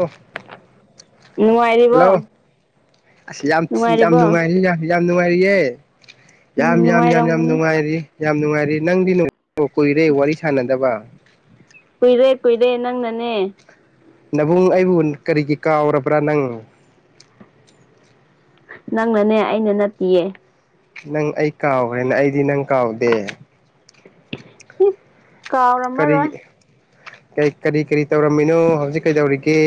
ꯑꯣ ꯍꯜꯂꯣ ꯅꯨꯡꯉꯥꯏꯔꯤꯕꯣ ꯑꯁꯤ ꯌꯥꯝ ꯊꯤ ꯌꯥꯝ ꯅꯨꯡꯉꯥꯏꯔꯤꯕꯣ ꯅꯨꯡꯉꯥꯏꯔꯤ ꯌꯥꯝ ꯌꯥꯝ ꯅꯨꯡꯉꯥꯏꯔꯤꯌꯦꯦ ꯎꯝ ꯌꯥꯝ ꯌꯥꯝ ꯌꯥꯝ ꯌꯥꯝ ꯅꯨꯡꯉꯥꯏꯔꯝꯒꯅꯤ ꯅꯨꯡꯉꯥꯏꯔꯤ ꯌꯥꯝ ꯅꯨꯡꯉꯥꯏꯔꯦ ꯅꯪꯗꯤ ꯀꯨꯏꯔꯦ ꯋꯥꯔꯤ ꯁꯥꯟꯅꯗꯕ ꯀꯨꯏꯔꯦ ꯀꯨꯏꯔꯦ ꯅꯪꯅꯅꯦ ꯅꯕꯨꯡ ꯑꯩꯕꯨ ꯀꯔꯤꯒꯤ ꯀꯥꯎꯔꯕ꯭ꯔꯥ ꯅꯪ ꯅꯪꯅꯅꯦ ꯑꯩꯅ ꯅꯠꯇꯤꯌꯦ ꯅꯪ ꯑꯩ ꯀꯥꯎꯈ꯭ꯔꯦꯅ ꯑꯩꯗꯤ ꯅꯪ ꯀꯥꯎꯗꯦ ꯏꯁ ꯀꯥꯎꯔꯝꯃꯔꯣꯏ ꯀ ꯀꯔꯤ ꯀꯔꯤ ꯇꯧꯔꯝꯃꯤꯅꯣ ꯍꯧꯖꯤꯛ ꯀꯩꯗꯧꯔꯤꯒꯦ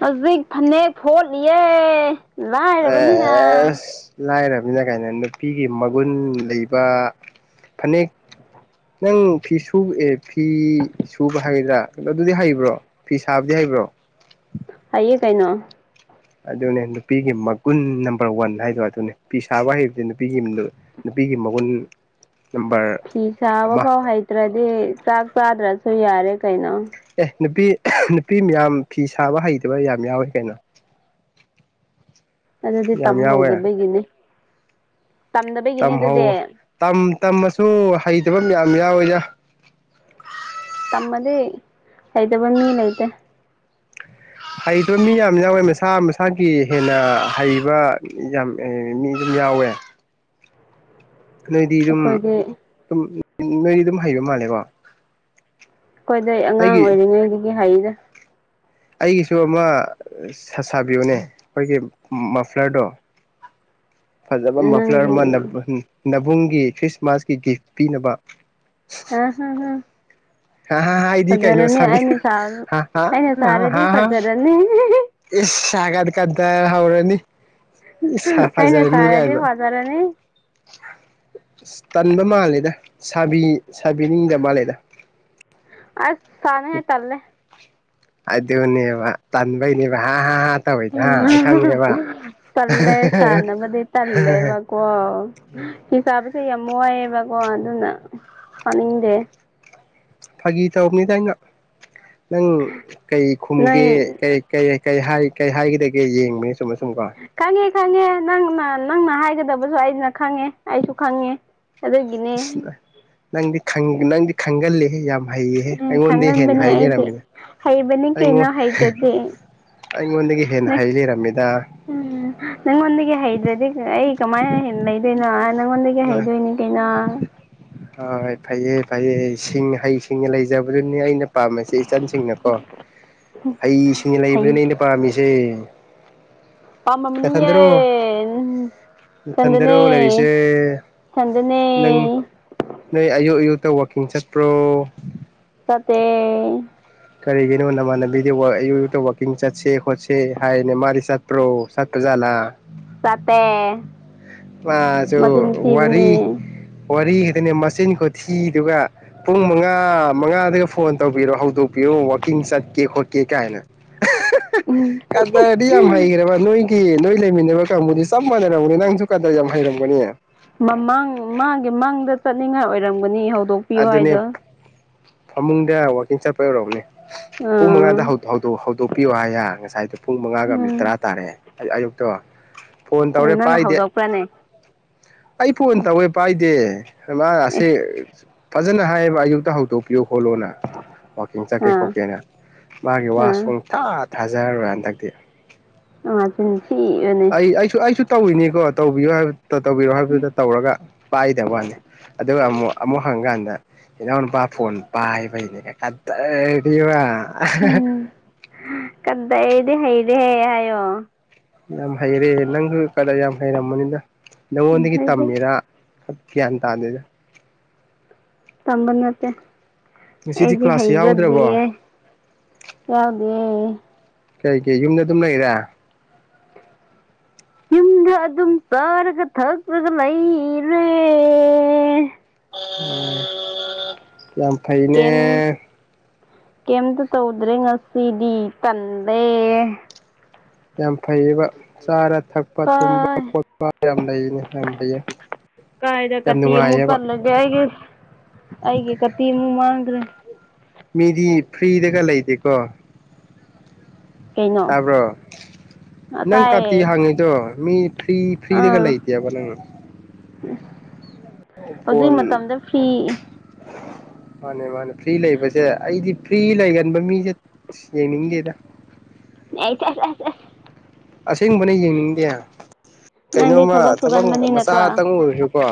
ꯍꯧꯖꯤꯛ ꯐꯅꯦꯛ ꯐꯣꯠꯂꯤꯌꯦꯦ ꯂ ꯍꯥꯏꯔꯕꯨꯅꯤꯅ ꯂꯥꯏꯃꯤꯅ ꯀꯥꯏꯩꯅꯣ ꯅꯨꯄꯤꯒꯤ ꯃꯒꯨꯟ ꯂꯩꯕ ꯐꯅꯦꯛ ꯅꯪ ꯐꯤ ꯁ ꯐꯤ ꯁꯨꯕ ꯍꯥꯏꯒꯗ꯭ꯔꯥꯣ ꯑꯗꯨꯗꯤ ꯍꯩꯕ꯭ꯔꯣ ꯐꯤ ꯁꯥꯕꯗꯤ ꯍꯩꯕ꯭ꯔꯣ ꯍꯥꯏꯏꯌꯦꯦ ꯀꯥꯏꯅ ꯑꯗꯨꯅꯦ ꯅꯨꯄꯤꯒꯤ ꯃꯒꯨꯟ ꯅꯝꯕꯔ ꯋꯥꯟ ꯍꯥꯏꯗꯣ ꯑꯗꯨꯅꯦ ꯐꯄꯤ ꯁꯥꯕ ꯍꯥꯏꯩꯕꯗꯤ ꯅꯨꯄꯤꯒꯤ ꯄꯤꯕꯤꯒꯤ ꯃꯒꯨꯟ ꯅꯝꯕꯔ ꯐꯤ ꯁꯥꯕ ꯑꯃ ꯐꯥꯎ ꯍꯩꯇ꯭ꯔꯗꯤ ꯆꯥꯛ ꯆꯥꯗ꯭ꯔꯁꯨ ꯌꯥꯔꯦ ꯀꯩꯅꯣ ꯑꯦ ꯅꯨꯄꯤ ꯅꯨꯄꯤ ꯃꯌꯥꯝ ꯐꯤ ꯁꯥꯕ ꯍꯩꯇꯕ ꯌꯥꯝ ꯌꯥꯎꯋꯤ ꯀꯩꯅꯣ ꯑꯗꯨꯗꯤ ꯌꯥꯝ ꯌꯥꯎꯋꯦ ꯇꯝꯍꯧꯗꯕꯒꯤꯅꯦ ꯇꯝꯍꯧ ꯇꯝꯃꯁꯨ ꯍꯩꯇꯕ ꯌꯥꯝ ꯌꯥ ꯑꯣꯏꯖꯥ ꯇꯃꯗꯤ ꯍꯩꯗꯕ ꯃꯤ ꯂꯩ ꯂꯩꯇ ꯍꯩꯇꯕ ꯃꯤ ꯌꯥꯝ ꯌꯥꯎꯋꯦ ꯃꯁꯥ ꯃꯁꯥꯒꯤ ꯍꯦꯟꯅ ꯍꯩꯕ ꯌꯥꯝ ꯃꯤ ꯌꯥꯋꯦ ꯅꯣꯏꯗꯤ ꯑꯗꯨꯝꯝ ꯑꯩꯈꯣꯏꯗꯤ ꯅꯣꯏꯗꯤ ꯑꯗꯨꯝ ꯍꯩꯕ ꯃꯥꯜꯂꯦꯀꯣ ꯑꯩꯈꯣꯏꯗꯩ ꯑꯉꯥꯡ ꯑꯩꯒꯤ ꯑꯣꯏꯔꯤꯉꯩꯗꯒꯤ ꯍꯥꯏꯔꯤꯗ ꯑꯩꯒꯤꯁꯨ ꯑꯃ ꯁꯥꯁꯥꯕꯤꯌꯨꯅꯦ ꯑꯩꯈꯣꯏꯒꯤ ꯃꯐ꯭ꯂꯔꯗꯣ [inaudible] ꯐꯖꯕ ꯃꯐ꯭ꯂꯔ ꯅꯪꯒꯤ ꯑꯃ ꯅꯕꯨꯡꯒꯤ ꯈ꯭ꯔꯤꯁꯃꯥꯁꯀꯤ ꯒꯤꯐ ꯄꯤꯅꯕ ꯑꯝ ꯍꯝꯝ ꯍꯥ ꯍꯥ ꯏꯗꯤ ꯀꯥꯏꯅꯣꯁ ꯑꯩꯅ ꯁꯥꯔꯗꯤ ꯐꯖꯔꯅꯤ ꯏꯁꯒꯠ ꯀꯗ ꯍꯧꯔꯅꯤ ꯁꯥ ꯑꯩꯅ ꯐꯖꯔꯅꯤ ꯁꯥꯔꯗꯤ ꯀꯥꯏꯗ ꯐꯖꯔꯅꯤ ꯇꯟꯕ ꯃꯥꯜꯂꯦꯗ ꯁꯥꯕꯤ ꯁꯥꯕꯤꯅꯤꯡꯗꯕ ꯃꯥꯜꯂꯦꯗ ꯑꯁ ꯁꯅ ꯍꯥꯏ ꯆꯜꯂꯦ ꯑꯗꯨꯅꯦꯕ ꯇꯟꯕꯩꯅꯦꯕ ꯍꯥ ꯍꯥ ꯍꯥ ꯇꯧꯋꯤꯗ ꯍꯥ ꯑꯩ ꯈꯪꯉꯦꯕ ꯇꯜꯂꯦ ꯁꯅ ꯃꯗꯤ ꯇꯜꯂꯦ ꯃꯥꯀꯣ ꯍꯤꯁꯥ ꯌꯥꯝ ꯋꯥꯏꯑꯦꯕꯀꯣ ꯑꯗꯨꯅ ꯁꯥꯅꯤꯡꯗꯦ ꯐꯒꯤ ꯊ ꯑꯣꯅꯤꯗ ꯅꯪ ꯀꯩ ꯅꯣꯏ ꯈꯨꯝꯒꯦ ꯀꯩ ꯍꯥꯏꯒꯗ ꯈꯪꯉꯦ ꯈꯪꯉꯦ ꯅꯪꯅ ꯅꯪꯅ ꯍꯥꯏꯒꯗ ꯈꯪꯗꯕꯁꯨ ꯑꯩꯅ ꯈꯪꯉꯦ ꯑꯩꯁꯨ ꯈꯪꯉꯦ ꯑꯗꯨꯒꯤꯅꯤ ꯑꯁ ꯅꯪꯗꯤ ꯅꯪꯗꯤ ꯈꯪꯒꯜꯂꯤꯍꯦ ꯌꯥꯝ ꯍꯩꯌꯦꯍꯦ ꯑꯩꯉꯣꯟꯗ ꯍꯦꯟꯅ ꯈꯪꯒꯟꯕꯅꯦ ꯍꯩ ꯑꯩꯗꯤ ꯂꯩꯔꯝꯃꯤꯅ ꯍꯩꯕꯅꯤ ꯀꯩꯅꯣ ꯑꯩꯉꯣꯟ ꯍꯩꯇ꯭ꯔꯗꯤ ꯑꯩꯉꯣꯟꯗꯒꯤ ꯍꯦꯟꯅ ꯅꯪ ꯍꯩ ꯂꯩꯔꯝꯃꯤꯗ ꯎꯝ ꯅꯪꯉꯣꯟꯗꯒꯤ ꯍꯩꯗ꯭ꯔꯗꯤ ꯑꯩ ꯀꯃꯥꯏꯅꯟꯅ ꯂꯩꯗꯣꯏꯅꯣ ꯅꯪꯉꯣꯟꯗꯒꯤ ꯍꯩꯗꯣꯏꯅꯤ ꯀꯩꯅꯣ ꯍꯣꯏ ꯐꯩꯌꯦ ꯐꯩꯌꯦ ꯁꯤꯡ ꯍꯩ ꯁꯤꯡꯉ ꯂꯩꯖꯕꯗꯨꯅꯤ ꯑꯩꯅ ꯄꯥꯝꯃꯤꯁꯦ ꯏꯆꯟꯁꯤꯡꯅꯀꯣ ꯍꯩꯁꯤꯡꯅ ꯍꯩ ꯂꯩꯕꯗꯨꯅ ꯑꯩꯅ ꯄꯥꯝꯃꯤꯁꯦ ꯑꯃꯝꯅꯦ ꯅꯊꯟꯗꯔꯣ ꯆꯗꯅꯦ ꯅꯊꯟꯗꯔꯣ ꯂꯩꯔꯤꯁꯦ ꯆꯗꯅꯦ ꯨ ꯇ ꯋꯥꯋꯀꯤꯡ ꯆꯠꯄ꯭ꯔꯣ [inaudible] ꯀꯔꯤꯒꯤꯅꯣ ꯅꯃꯥꯟꯅꯕꯤꯗꯤꯌ ꯋꯥꯛꯀꯤꯡ ꯆꯠꯁꯦ ꯈꯣꯠꯁꯦ ꯍꯥꯏꯅꯦ ꯃꯥꯗꯤ ꯆꯠꯄ꯭ꯔꯣ ꯆꯠꯄꯠ ꯆꯂ ꯆꯇꯦ ꯁꯨ ꯋꯥꯔꯤ ꯋꯥꯔꯤ ꯈꯗꯅꯦ ꯃꯆꯤꯟ ꯀꯣꯊꯤꯗꯨꯒ ꯄꯨꯡ ꯃꯉꯥ ꯃꯉꯥꯗꯒ ꯐꯣꯟ ꯇꯧꯕꯤꯔꯣ ꯍꯧꯗꯣꯛꯄꯤꯔꯣ ꯋꯥꯀꯤꯡꯁ ꯀꯦ ꯍꯣ ꯀꯦ ꯀꯦꯅ ꯀꯗꯗꯤ ꯌꯥꯝ ꯍꯩꯈ꯭ꯔꯦꯕ ꯅꯣꯏꯒꯤ ꯅꯣꯏ ꯂꯩꯃꯤꯟꯅꯕ ꯀꯥꯡꯕꯨꯗꯤ ꯆꯞ ꯃꯥꯟꯅꯔꯝꯝꯕꯅꯤ ꯅꯪ ꯃꯃꯥꯡ ꯃꯥꯥꯡꯒꯤꯦ ꯃꯥꯡꯗ ꯆꯠꯅꯤꯡꯉꯥꯏ ꯑꯣꯏꯔꯝꯒꯅꯤ ꯍꯧꯗꯣꯛꯄꯤꯌꯨ ꯑꯗꯨꯅꯦ ꯍꯥꯏꯗ ꯐꯃꯨꯡꯗ ꯋꯥꯛꯀꯤꯡ ꯆꯠꯄ ꯌꯧꯔꯔꯕꯅꯦ ꯄꯨꯡ ꯑꯥ ꯃꯉꯥꯗ ꯍꯧꯗꯣꯛꯄꯤꯌꯣ ꯍꯥꯏꯌꯥ ꯉꯁꯥꯏꯗꯣ ꯄꯨꯡ ꯃꯉꯥꯒ ꯃꯤꯠ ꯎꯝ ꯇꯔꯥ ꯇꯥꯔꯦ ꯑꯌꯨꯛꯇꯣ ꯐꯣꯟ ꯇꯧꯔꯦ ꯅꯪꯅ ꯄꯥꯏꯗꯦ ꯍꯧꯗꯣꯛꯄ꯭ꯔꯥꯅꯦ ꯑꯩ ꯐꯣꯟ ꯇꯧꯋꯦ ꯄꯥꯏꯗꯦ ꯃꯥꯁ ꯑꯦꯁ ꯐꯖꯅ ꯍꯥꯏꯌꯦꯕ ꯑꯌꯨꯛꯇ ꯍꯧꯗꯣꯛꯄꯤꯌꯨ ꯈꯣꯠꯂꯣꯅ ꯋꯥꯋꯥꯛꯀꯤꯡ ꯆꯠꯀꯦ ꯈꯣꯠꯀꯦꯅ ꯃꯥꯒꯤ ꯋꯥ ꯑꯥ ꯁꯨꯡ ꯊꯥ ꯊꯥꯖꯔꯔꯣꯏ ꯍꯟꯗꯛꯇꯤ ꯑꯖ ꯑꯩ ꯑꯩꯁꯨ ꯑꯩꯁꯨ ꯇꯧꯋꯅꯤꯀꯣ ꯇꯧꯕꯤꯌꯨ ꯍꯥꯏꯕ ꯇꯧꯕꯤꯔꯣ ꯍꯥꯏꯕꯗꯨꯗ ꯇꯧꯔꯒ ꯄꯥꯏꯗꯕ ꯋꯥꯅꯤ ꯑꯗꯨꯒ ꯑꯃꯨꯛ ꯑꯃꯨꯛ ꯍꯪꯉꯀꯥꯟꯗ ꯏꯩꯅꯎꯅ ꯄ ꯐꯣꯟ ꯄꯕꯩꯅꯦ ꯀꯗꯗꯤ ꯋꯥ [inaudible] ꯀꯟꯗꯩ ꯑꯩꯗꯤ ꯍꯩꯗꯤ ꯍꯩ ꯍꯥꯏꯌꯣ ꯌꯥꯝ ꯍꯩꯔꯦ ꯅꯪꯁꯨ ꯀ ꯌꯥꯝ ꯍꯩꯔꯝꯃꯣꯅꯤꯅ ꯎꯝ ꯅꯉꯣꯟꯗꯒꯤ ꯑꯩꯗꯤ ꯇꯝꯃꯤꯔꯥ ꯑ ꯀꯌꯥꯟ ꯇꯗꯦꯗ ꯇꯝꯕꯅꯠꯇꯦ ꯉꯁꯤꯗꯤ ꯑꯩꯗꯤ ꯀ꯭ꯂꯥꯁ ꯌꯥꯎꯗ꯭ꯔꯕꯣ ꯍꯩꯖꯗꯦꯌꯦꯦ ꯌꯥꯎꯗꯦꯦ ꯀꯩꯀꯩ ꯌꯨꯝꯗ ꯑꯗꯨꯝ ꯂꯩꯔꯦ ꯌꯗ ꯑꯗꯨꯝ ꯆꯥꯔꯒ ꯊꯛꯒ ꯂꯩꯔꯦ ꯌꯥꯝ ꯐꯩꯅꯦ ꯀꯩꯝꯇ ꯇꯧꯗ꯭ꯔꯦ ꯉꯁꯤꯗꯤ ꯇꯟꯗꯦ ꯌꯥꯝ ꯐꯩꯌꯦꯕ ꯆꯥꯔ ꯊꯛꯄ ꯇꯨꯝꯕ ꯀꯥꯏ ꯈꯣꯠꯄ ꯌꯥꯝ ꯂꯩꯅꯤ ꯍꯥꯏꯝꯕꯌꯦ ꯀꯥꯥꯏꯗ ꯀ ꯇꯤꯔ ꯃꯨ ꯊꯔꯂꯒꯦ ꯑꯩꯒꯤ ꯀꯠꯇꯤꯃꯨ ꯃꯥꯥꯡꯗ꯭ꯔꯦ ꯃꯤꯗꯤ ꯐ꯭ꯔꯤꯗꯒ ꯂꯩꯇꯦꯀꯣ ꯀꯩꯅꯣ ꯇꯥꯕ꯭ꯔꯣ ꯅꯪ ꯇꯥꯏꯌꯦ ꯀꯥꯇꯤ ꯍꯥꯡꯉꯤꯗꯣ ꯃꯤ ꯐꯔꯤ ꯐꯔꯤꯗ ꯀ ꯂ ꯑꯥ ꯂꯩꯇꯦꯕ ꯍꯧꯖꯤꯛ ꯐꯣꯟ ꯃꯇꯝꯗ ꯐꯤ ꯃꯥꯅꯦ ꯃꯥꯅꯦ ꯐ꯭ꯔꯤ ꯂꯩꯕꯁꯦ ꯑꯩꯗꯤ ꯐ꯭ꯔꯤ ꯂꯩꯒꯟꯕ ꯃꯤꯁꯦ ꯌꯦꯡꯅꯤꯡꯗꯦꯗ ꯆ ꯆ ꯆ [unintelligible] ꯑꯁꯦꯡꯕꯅꯦ ꯌꯦꯡꯅꯤꯡꯗꯦ ꯅꯪꯗꯤ ꯀꯩꯅꯣꯝꯃ ꯊꯕꯛ ꯁꯨꯒꯟꯕꯅꯤꯅꯀꯣ ꯃꯆꯥꯇꯪ ꯑꯣꯏꯔꯁꯨꯀꯣ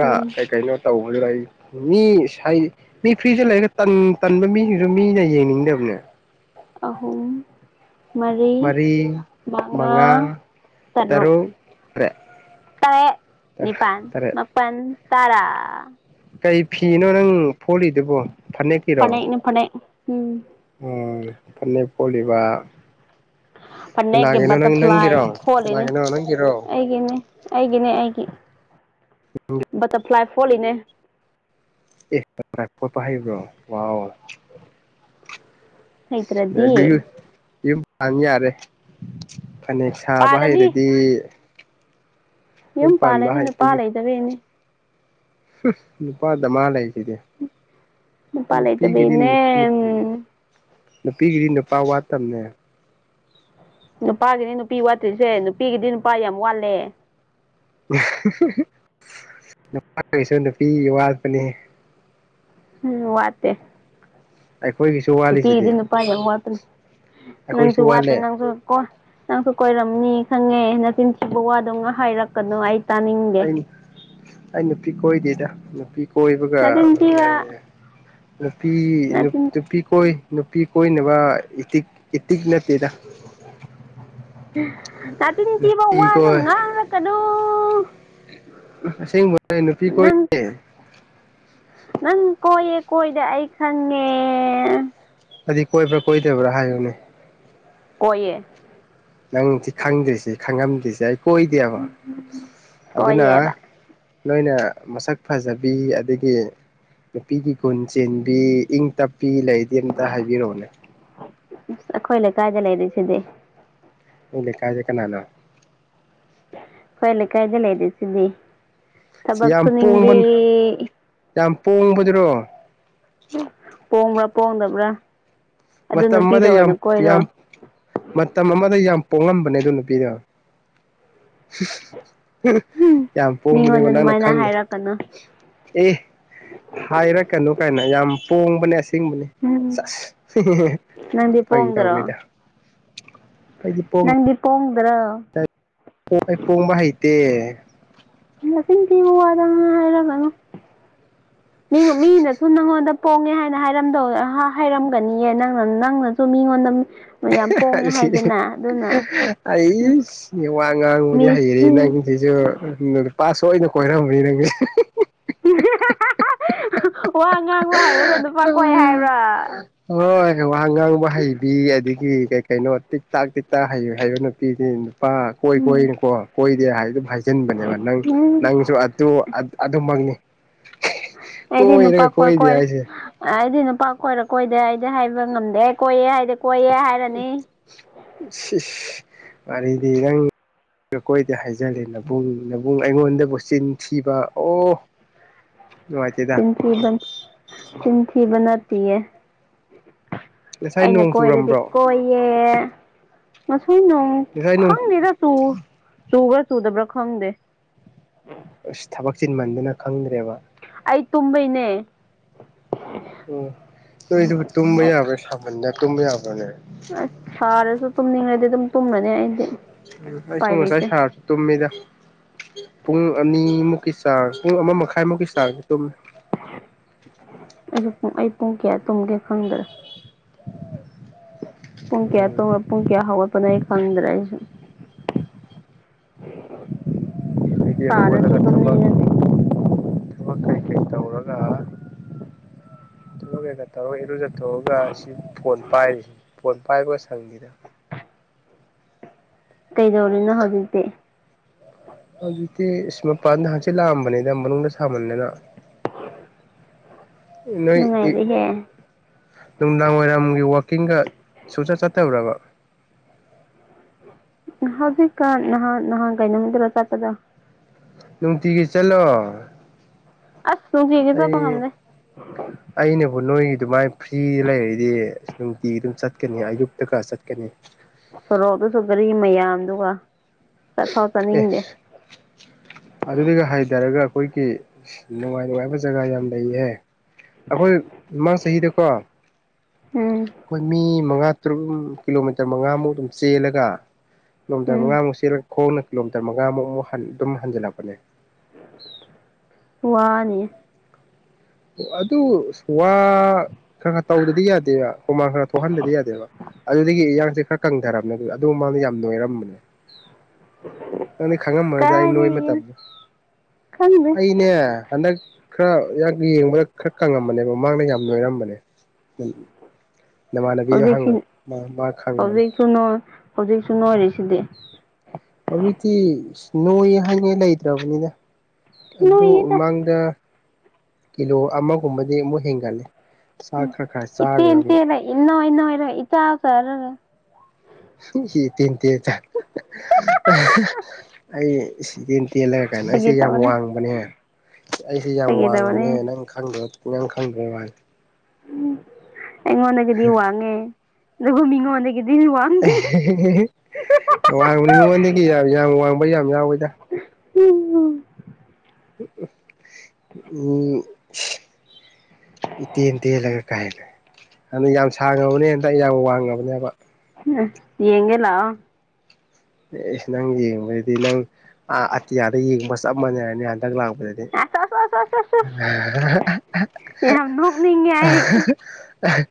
ꯎꯝ ꯀꯩ ꯀꯩꯅꯣ ꯇꯧꯕꯗꯨ ꯑꯩ ꯃꯤ ꯃꯤ ꯐ꯭ꯔꯤꯁꯤꯗ ꯂꯩꯔꯒ ꯇꯟ ꯇꯟꯕ ꯃꯤꯁꯤꯡꯁꯨ ꯃꯤꯅ ꯌꯦꯡꯅꯤꯡꯗꯕꯅꯦ ꯑꯍꯨꯝ ꯃꯔꯤ ꯃꯉꯥ ꯇꯔꯨꯛ ꯇꯔꯦ ꯅꯤꯄꯥꯟ ꯇꯔꯦꯠ ꯃꯄꯟ ꯇꯔꯥ ꯀꯩ ꯐꯤꯅꯣ ꯅꯪ ꯐꯣꯠꯂꯤꯗꯨꯕꯣ ꯐꯅꯦꯛꯀꯤꯔꯣ ꯐꯅꯦꯛꯅꯤ ꯐꯅꯦꯛ ꯎꯝ ꯎꯝ ꯐꯅꯦꯛ ꯐꯣꯠꯂꯤꯕ ꯐꯅꯦꯛꯀꯤ ꯀꯅꯥꯒꯤꯅꯣ ꯅꯪꯒꯤꯔꯣ ꯕꯇꯔꯐ꯭ꯂꯥꯏ ꯐꯣꯜꯂꯤꯅꯦ ꯀꯅꯥꯒꯤꯅꯣ ꯅꯪꯒꯤꯔꯣ ꯑꯩꯒꯤꯅꯦ ꯑꯩꯒꯤꯅꯦ ꯑꯩꯒꯤ ꯕꯇꯔꯐ꯭ꯂꯥꯏ ꯐꯣꯠꯂꯤꯅꯦ ꯑꯦ ꯕꯇꯔꯐ꯭ꯂꯥꯏ ꯐꯣꯠꯄ ꯍꯩꯕ꯭ꯔꯣ ꯋꯥꯎ ꯍꯩꯇ꯭ꯔꯗꯤ ꯁꯥꯅꯤ ꯌꯥꯔꯦ ꯐꯅꯦꯛ ꯁꯥꯕ ꯄꯥꯜꯂꯅꯤ ꯍꯩꯔꯗꯤ ꯌꯨꯝ ꯄꯥꯜꯂꯦꯅꯤ ꯅꯨꯄꯥꯥ ꯂꯩꯇꯕꯒꯤꯅꯦ ꯅꯨꯄꯥ ꯗꯃꯥ ꯂꯩꯁꯤꯗꯤ ꯅꯨꯄꯥ ꯅꯨꯄꯤ ꯒꯤꯗꯤ ꯂꯩꯇꯕꯩꯅꯦ ꯅꯨꯄ ꯅꯨꯄꯤꯒꯤꯗꯤ ꯅꯨꯄꯥ ꯋꯥꯠꯇꯕꯅꯦ ꯅꯨꯄꯥꯒꯤꯅꯤ ꯅꯨꯄꯤ ꯋꯥꯠꯇ꯭ꯔꯤꯁꯦ ꯅꯨꯄꯤꯒꯤꯗꯤ ꯅꯨꯄꯥ ꯌꯥꯝ ꯋꯥꯠꯂꯦ ꯅꯨꯄꯥꯒꯤꯁꯨ ꯅꯨꯄꯤ ꯋꯥꯠꯄꯅꯤ ꯎꯝ ꯋꯥꯠꯇꯦ ꯑꯩꯈꯣꯏꯒꯤꯁꯨ ꯅꯨꯄꯤꯒꯤꯗꯤ ꯋꯥꯠꯂꯤꯁꯤꯗꯤ ꯅꯨꯄꯥ ꯌꯥꯝ ꯋꯥꯠꯄꯅꯤ ꯅꯪꯁꯨ ꯑꯩꯈꯣꯏꯁꯨ ꯋꯥꯠꯇꯦ ꯋꯥꯠꯂꯦ ꯅꯪꯁꯨ ꯀꯣ ꯅꯪꯁꯨ ꯀꯣꯏꯔꯝꯅꯤ ꯈꯪꯉꯦ ꯅꯆꯤꯟ ꯆꯤꯕ ꯋꯥꯗꯝ ꯍꯥꯏꯔꯛꯀꯅꯣ ꯑꯩ ꯇꯥꯅꯤꯡꯗꯦ ꯑꯩ ꯑꯩ ꯅꯨꯄꯤ ꯀꯣꯏꯗꯦꯗ ꯅꯨꯄꯤ ꯀꯣꯏꯕꯒ ꯅꯆꯤꯟ ꯊꯤꯕ ꯅꯨꯄꯤ ꯅꯆꯤꯟ ꯅꯨꯄꯤ ꯀꯣꯏ ꯅꯨꯄꯤ ꯀꯣꯏꯅꯕ ꯏꯇꯤꯛ ꯏꯇꯤꯛ ꯅꯠꯇꯦꯗ ꯅꯆꯤꯟꯊꯤꯕ ꯅꯨꯄꯤ ꯋꯥꯗꯣ ꯀꯣꯏ ꯉꯥꯡꯂꯛꯀꯅꯨ ꯑꯁꯦꯡꯕ ꯅꯨꯄꯤ ꯅꯪ ꯀꯣꯏꯗꯦ ꯅꯪ ꯀꯣꯏꯌꯦ ꯀꯣꯏꯗꯦ ꯑꯩ ꯈꯪꯉꯦ ꯑꯗꯨꯗꯤ ꯀꯣꯏꯕ꯭ꯔꯥ ꯀꯣꯏꯗꯕ꯭ꯔꯥ ꯍꯥꯏꯌꯨꯅꯦ ꯀꯣꯏꯌꯦ ꯅꯪ ꯁꯤ ꯈꯪꯗ꯭ꯔꯤꯁꯤ ꯈꯪꯉꯝꯗ꯭ꯔꯤꯁꯤ ꯀꯣꯏꯗꯦꯕ ꯑꯗꯨꯅ ꯀꯣꯏꯌꯦꯕ ꯅꯣꯏꯅ ꯃꯁꯛ ꯐꯖꯕꯤ ꯑꯗꯒꯤ ꯅꯨꯄꯤꯒꯤ ꯒꯨꯟ ꯆꯦꯟꯕꯤ ꯏꯪ ꯇꯞꯄꯤ ꯂꯩꯗꯤ ꯑꯃꯇ ꯍꯥꯏꯕꯤꯔꯛꯑꯣꯅꯦ ꯑꯩꯈꯣꯏ ꯂꯩꯀꯥꯏꯗ ꯂꯩꯔꯤꯁꯤꯗꯤ ꯅꯣꯏ ꯂꯩꯀꯥꯏꯗ ꯀꯅꯥꯅꯣ ꯑꯩꯈꯣꯎꯏ ꯂꯩꯀꯥꯏꯗ ꯂꯩꯔꯤꯁꯤꯗꯤ ꯁꯤ ꯌꯥꯝ ꯇꯕꯛꯁꯨꯅꯤꯡꯕꯤ ꯄꯣꯡꯕ ꯌꯥꯝ ꯄꯣꯡꯕꯗꯨꯔꯣ ꯄꯣꯡꯕ꯭ꯔꯥ ꯄꯣꯡꯗꯕ꯭ꯔꯥ ꯑꯗꯨ ꯃꯇꯝ ꯑꯃꯗ ꯅꯨꯄꯤꯗ ꯌꯥꯝ ꯑꯣꯏꯅ ꯀꯣꯏꯔꯣ ꯌꯥꯝ ꯃꯇꯝ ꯑꯃꯗ ꯌꯥꯝ ꯄꯣꯛꯂꯝꯕꯅꯦ ꯑꯗꯨ ꯅꯨꯄꯤꯗꯨ ꯌꯥꯝ ꯃꯤꯉꯣꯟꯗ ꯄꯣꯡꯕꯅꯦꯕ ꯅꯪꯅ ꯑꯗꯨꯃꯥꯏꯅ ꯈꯪꯗꯦ ꯍꯥꯏꯔꯛꯀꯅꯨ ꯑꯦ ꯍꯥꯏꯔꯛ ꯀꯅꯨ ꯀꯥꯏꯅ ꯌꯥꯝ ꯄꯣꯡꯕꯅꯦ ꯑꯁꯦꯡꯕꯅꯦ ꯎꯝ ꯑꯁ ꯅꯪꯗꯤ ꯐꯒꯤ ꯄꯣꯡꯗ꯭ꯔꯣ ꯇꯧꯕꯅꯦꯗ ꯅꯪꯗꯤ ꯄꯣꯡꯗ꯭ꯔꯣ ꯑꯩꯈꯣꯏ ꯄꯣꯡꯕ ꯍꯩꯇꯦ ꯅꯆꯤꯟ ꯊꯤꯕ ꯋꯥꯗꯨ ꯍꯥꯏꯔꯛꯀꯥꯅꯣ ꯃꯤꯅꯁꯨ ꯅꯪꯉꯣꯟꯗ ꯄꯣꯡꯉꯦ ꯍꯥꯏꯅ ꯍꯥꯏꯔꯝꯗꯧ ꯍꯥꯏꯔꯝꯒꯅꯤꯌꯦ ꯅꯪꯅ ꯅꯪꯅꯁꯨ ꯃꯤꯉꯣꯟꯗ ꯌꯥꯝ ꯄꯣꯡꯉꯦ ꯍꯥꯏꯗꯅ ꯑꯗꯨꯅ ꯑꯩꯁ ꯋꯥ ꯃꯤ ꯉꯥꯡꯕꯗꯤ ꯍꯩꯔꯦ ꯅꯪꯁꯤꯁꯨꯥꯁ ꯇꯣꯏꯅ ꯀꯣꯏꯔꯝꯃꯤꯔꯒ ꯋꯥ ꯉꯥꯡꯕ ꯍꯥꯏꯕꯗ ꯅꯨꯄꯥ ꯀꯣꯏ ꯍꯥꯏꯕ꯭ꯔꯥ ꯍꯣꯏ ꯋꯥ ꯉꯥꯡꯕ ꯍꯩꯕꯤ ꯑꯗꯒꯤ ꯀꯩ ꯀꯩꯅꯣ ꯇꯤꯛ ꯇꯥꯛ ꯇꯤꯛ ꯇꯥꯛ ꯍꯩ ꯍꯩꯕ ꯅꯨꯄꯤꯁꯤ ꯄꯥ ꯀꯣꯏ ꯀꯣꯏꯅꯨꯀꯣ ꯀꯣꯏꯗꯦ ꯍꯥꯏꯗꯨꯁꯦ ꯆꯤꯟꯕꯅꯦꯕ ꯅꯪ ꯎꯝ ꯅꯪꯁꯨ ꯑꯗꯨ ꯑꯗꯨꯃꯛꯅꯤ ꯑꯩꯗꯤꯅ ꯀꯣꯏꯔꯒ ꯄꯀꯣꯏ ꯀꯣꯏꯗꯦ ꯍꯥꯏꯁꯦ ꯀꯣꯏꯔꯗꯤꯅ ꯄꯥ ꯀꯣꯏꯔ ꯀꯣꯏꯗꯦ ꯑꯩꯗꯤ ꯍꯥꯏꯕ ꯉꯝꯗꯦ ꯀꯣꯏꯌꯦꯦ ꯍꯥꯏꯗꯤ ꯀꯣꯏꯌꯦ ꯍꯥꯏꯔꯅꯤ ꯃꯔꯤꯗꯤ ꯏꯔꯪ ꯀꯣꯏꯗ ꯍꯥꯏꯖꯔꯦ ꯅꯨꯡ ꯅꯕꯨꯡ ꯑꯩꯉꯣꯟꯗꯕꯨ ꯆꯤꯟ ꯊꯤꯕ ꯑꯣ ꯅꯨꯡꯉꯥꯏꯇꯦꯗ ꯆꯟꯊꯤ ꯆꯟꯊꯤ ꯅꯥꯇ ꯉꯁꯥꯏ ꯑꯩꯅ ꯅꯣꯡ ꯀꯣꯏꯔꯗꯤ ꯆꯨꯔꯝꯕ꯭ꯔꯣ ꯀꯣꯏꯌꯦ ꯃ ꯁꯏꯅꯝ ꯉꯁꯥꯏ ꯅꯣꯡ ꯈꯪꯅꯤꯗꯁꯨ ꯆꯨꯒ꯭ꯔ ꯆꯨꯗꯕ꯭ꯔꯥ ꯈꯪꯗꯦ ꯑꯁ ꯊꯕꯛ ꯆꯤꯟꯃꯟꯗꯨꯅ ꯈꯪꯗ꯭ꯔꯦꯕ ꯑꯩ ꯇꯨꯝꯕꯩꯅꯦ ꯎꯝ ꯇꯃꯤ ꯌꯥꯕꯅꯦ ꯑꯁ ꯁꯥꯔꯁꯨ ꯇꯨꯝꯅꯤꯡꯉꯗꯤ ꯑꯗꯨꯝ ꯇꯨꯝꯃꯅꯤ ꯑꯩꯗꯤ ꯎꯝ ꯑꯩꯁꯨ ꯎꯄꯥꯏ ꯉꯁꯥꯏ ꯂꯩꯇꯦ ꯁꯥꯔꯁꯨ ꯇꯨꯝꯃꯤꯗ ꯄꯨꯡ ꯑꯅꯤꯃꯨꯛ ꯆꯥꯔ ꯄꯨꯡ ꯑꯃ ꯃꯈꯥꯏꯃꯨꯛꯀꯤ ꯆꯥꯔ ꯇ ꯑꯩꯁꯨ ꯑꯩ ꯄꯨꯡ ꯀꯌꯥ ꯇꯨꯝꯝꯒꯦ ꯈꯪꯗ꯭ꯔ ꯄꯨꯡꯀꯌꯥ ꯇ ꯎꯝ ꯄꯨꯡꯀꯌꯥ ꯍꯕ ꯄ ꯑꯩ ꯈꯗ꯭ꯔꯁ ꯑꯩꯗꯤ ꯍꯧꯒꯠꯂꯒ ꯊꯕꯛ ꯁꯔꯁꯨꯇꯝꯅꯤꯔꯗꯤ ꯊꯕꯛ ꯀꯩꯀꯩ ꯇꯧꯔꯒ ꯇꯧꯔꯨ ꯏꯔꯨ ꯆꯠꯊꯣꯛꯑꯒ ꯑꯁꯤ ꯐꯣꯟ ꯄꯥꯏꯔꯤꯁꯤ ꯐꯣꯟ ꯄꯥꯏꯕ ꯁꯪꯅꯤꯗ ꯀꯩꯗꯧꯔꯤꯅꯣ ꯍꯧꯖꯤꯛꯇꯤ ꯑꯗꯨꯗꯤ ꯃꯄꯥꯟꯗ ꯍꯥꯟꯆꯦ ꯂꯥꯛꯑꯝꯕꯅꯤꯅ ꯃꯅꯨꯡꯗ ꯁꯥꯃꯟꯅꯤꯅ [inaudible] ꯅꯣꯏ ꯅꯨꯡꯉꯥꯏꯔꯤꯍꯦ ꯅꯨꯡꯗꯥꯡ ꯋꯥꯏꯔꯝꯒꯤ ꯋꯥ ꯀꯀꯤꯡꯒ ꯁꯨꯆꯠ ꯆꯠꯇꯧꯔꯕ ꯍꯧꯖꯤꯛꯀꯥꯟ ꯅꯍꯥꯟ ꯅꯍꯥꯟꯒꯥꯏ ꯅꯨꯃꯤꯗꯨꯔ ꯆꯠꯄꯗ ꯅꯨꯡꯇꯤꯒꯤ ꯆꯠꯂꯣ ꯑꯁ ꯅꯨꯡꯇꯤꯒꯤ ꯑꯩ ꯆꯠꯄ ꯉꯝꯗꯦ ꯑꯅꯦꯕꯨ ꯅꯣꯏꯒꯤ ꯑꯗꯨꯃꯥꯏꯅ ꯐ꯭ꯔꯤꯗ ꯂꯩꯔꯗꯤ ꯑꯁ ꯅꯨꯡꯇꯤ ꯑꯗꯨꯝ ꯆꯠꯀꯅꯤ ꯑꯌꯨꯛꯇꯒ ꯆꯠꯀꯅꯤ ꯁꯣꯔꯣꯛꯇꯁꯨ ꯒꯥꯔꯤ ꯃꯌꯥꯝꯗꯨ ꯆꯠ ꯊꯥꯎ ꯆꯠꯅꯤꯡꯗꯦ ꯑꯗꯨꯒ ꯍꯥꯏꯊꯔꯒ ꯑꯩꯈꯣꯏꯒꯤ ꯅꯨꯡꯉꯥꯏ ꯅꯨꯡꯉꯥꯏꯕ ꯖꯒꯥ ꯌꯥꯝ ꯂꯩꯍꯦ ꯑꯩꯈꯣꯏ ꯃꯃꯥ ꯆꯍꯤꯗꯀꯣ ꯎꯝ ꯑꯩꯣꯏ ꯃꯤ ꯃꯉꯥ ꯇꯔꯨꯛ ꯀꯤꯂꯣꯃꯤꯇꯔ ꯃꯉꯥꯃꯨꯛ ꯑꯗꯨꯝ ꯆꯦꯜꯂꯒ ꯅꯃꯤꯇꯔ ꯎꯝ ꯃꯉꯃꯨꯛ ꯁꯤꯂꯒꯦ ꯈꯣꯡꯅ ꯀꯤꯂꯣꯃꯤꯇꯔ ꯃꯉꯥꯃꯨꯛꯃꯨꯛ ꯑꯗꯨꯝ ꯍꯟꯖꯤꯜꯂꯛꯄꯅꯦ ꯋꯥꯅꯤ ꯑꯗꯨ ꯋꯥ ꯈꯔ ꯈꯔ ꯇꯧꯗꯗꯤ ꯌꯥꯗꯦꯕ ꯍꯨꯃꯥꯡ ꯈꯔ ꯊꯣꯛꯍꯟꯗꯗꯤ ꯌꯥꯗꯦꯕ ꯑꯗꯨꯗꯒꯤ ꯏꯟꯔꯥꯡꯁꯦ ꯈꯔ ꯀꯪꯊꯔꯝꯅꯦ ꯑꯗꯨ ꯃꯃꯥꯡꯗ ꯌꯥꯝ ꯅꯣꯏꯔꯝꯕꯅꯦ ꯎꯝ ꯅꯪꯗꯤ ꯈꯪꯉꯝꯝꯕꯅꯦꯗꯤ ꯑꯩ ꯅꯣꯏꯕ ꯇꯕꯨ ꯈꯪꯗꯦ ꯑ ꯏꯅꯦ ꯍꯗ ꯈꯔ ꯌꯥꯝ ꯌꯦꯡꯕꯗ ꯈꯔ ꯀꯪꯉꯝꯕꯅꯦꯕ ꯃꯃꯥꯡꯗ ꯌꯥꯝ ꯂꯣꯏꯔꯝꯕꯅꯦ ꯍꯧꯖꯤꯛ ꯈꯪꯕꯅꯦ ꯍꯧꯖꯤꯛꯁꯨ ꯍꯧꯖꯤꯛꯁꯨ ꯅꯣꯏꯔꯤꯁꯤꯗꯤ ꯍꯧꯖꯤꯛꯇꯤ ꯅꯣꯏꯍꯟꯉꯦ ꯂꯩꯇ꯭ꯔꯕꯅꯤꯗ ꯑꯗꯨ ꯅꯣꯏꯌꯦꯗ ꯃꯃꯥꯡꯗ ꯀꯤꯂꯣ ꯑꯃꯒꯨꯝꯕꯗꯤ ꯑꯃꯨꯛ ꯍꯦꯟꯒꯠꯂꯦ ꯆꯥꯛ ꯎꯝ ꯈꯔ ꯈꯔ ꯏꯠꯇꯦ ꯆꯥꯔꯦꯕ ꯏꯟꯇꯦꯂ ꯏꯅꯣ ꯏꯅꯣꯂ ꯏꯇꯥꯎ ꯇꯔ ꯍ ꯇꯤꯟ ꯇ ꯆ ꯑꯩ ꯆꯤꯇꯦꯟ ꯇꯦꯜꯂꯒ ꯀꯥꯏꯅ ꯑꯩꯁꯦ ꯐꯥꯒꯤ ꯌꯥꯝ ꯇꯧꯕꯅꯦ ꯋꯥꯡꯕꯅꯦ ꯑꯩꯁꯦ ꯌꯥꯝ ꯐꯥꯒꯤ ꯇꯧꯕꯅꯦ ꯋꯥꯡꯕꯅꯦ ꯅꯪ ꯈꯪꯗꯕ ꯌꯥꯝꯪ ꯈꯪꯕꯅꯤ ꯎꯝ ꯑꯩꯉꯣꯟꯗꯒꯤꯗꯤ ꯋꯥꯡꯉꯦ ꯑꯗꯨꯕꯨ ꯃꯤꯉꯣꯟꯗꯒꯤ ꯋꯥꯡꯕꯅꯤ ꯃꯉꯣꯟꯗꯒꯤ ꯌꯥꯝ ꯋꯥꯡꯕ ꯌꯥꯝ ꯌꯥꯎꯋ ꯝ [unintelligible] ꯎꯝ ꯏꯇꯦꯟ ꯇꯦꯜꯂꯒ ꯀꯥꯏꯈꯦ ꯑꯗꯨꯅ ꯌꯥꯝ ꯁꯥꯡꯉꯕꯅꯦ ꯍꯟꯗꯛ ꯌꯥꯝ ꯋꯥꯡꯉꯕꯅꯦꯕ ꯌꯦꯒꯦ ꯂꯥꯛ ꯑꯣ ꯑꯦ ꯑꯦꯁ ꯅꯪ ꯌꯦꯡꯕꯗꯗꯤ ꯅꯪ ꯑꯇꯤꯌꯥꯗ ꯌꯦꯡꯕ ꯆꯞ ꯃꯥꯟꯅꯔꯅꯤ ꯂꯥꯛꯄꯗꯗꯤ ꯑꯁ ꯑꯁ ꯑꯁ ꯑꯁ ꯑꯁ ꯑꯁ ꯌꯥꯝ ꯅꯣꯛꯅꯤꯡꯉꯦ ꯑꯩ [unintelligible]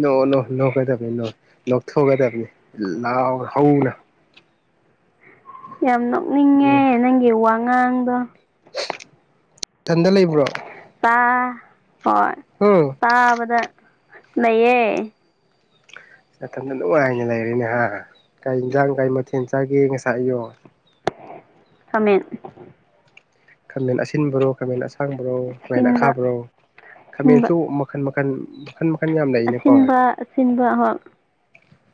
ꯅꯣꯡ ꯅꯣ ꯅꯣꯛꯀꯗꯕꯅꯤ ꯅꯣꯏ ꯅꯣꯛꯊꯣꯛꯀꯗꯕꯅꯤ ꯂꯥꯎ ꯍꯧꯅ ꯌꯥꯝ ꯅꯣꯛꯅꯤꯡꯉꯦ ꯅꯪꯒꯤ ꯋꯥꯉꯥꯡꯗꯣ ꯏꯊꯟꯗ ꯂꯩꯕ꯭ꯔꯣ ꯥ ꯍꯣꯏ ꯎꯝ ꯇꯥꯕꯗ ꯂꯩꯌꯦ ꯅꯊꯟꯗ ꯅꯨꯡꯉꯥꯏꯅ ꯂꯩꯔꯦꯅꯦꯍ ꯀꯩ ꯌꯦꯟꯖꯥꯡ ꯀꯔꯤ ꯃꯊꯦꯜ ꯆꯥꯒꯦ ꯉꯁꯥꯏ ꯏꯌꯣ ꯈꯃꯦꯦꯟ ꯈꯥꯃꯦꯟ ꯑꯁꯤꯟꯕꯔꯣ ꯈꯥꯃꯦꯟ ꯑꯁꯥꯡꯕꯔꯣ ꯈꯥꯃꯦꯟ ꯑꯁꯤꯟꯕ ꯑꯈꯥꯕ꯭ꯔꯣ ꯑꯁꯤꯟꯕ ꯈꯥꯃꯦꯟꯁꯨ ꯃꯈꯟ ꯃꯈꯜ ꯃꯈꯟ ꯃꯈꯟ ꯃꯈꯟ ꯌꯥꯝ ꯂꯩꯅꯦ ꯄꯥꯎꯋꯦ ꯑꯁꯤꯟꯕ ꯑꯁꯤꯟꯕ ꯍꯣꯏ